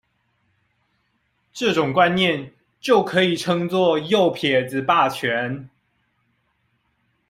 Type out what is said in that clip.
這種觀念就可以稱作「右撇子霸權」